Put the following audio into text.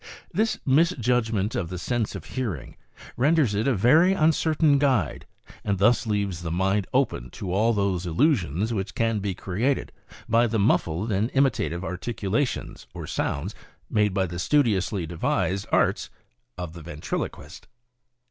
This misjudgment of the sense of hearing renders it a very uncertain guide, and thus leaves the mind open to all those illusions which can be created by the muffled and imitative articulations or sounds made by the studiously devised arts of the ventriloquist.